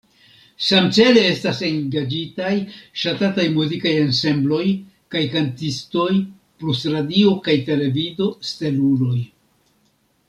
Samcele estas engaĝitaj ŝatataj muzikaj ensembloj kaj kantistoj plus radio- kaj televido-steluloj.